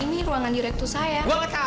ini ruangan direktur saya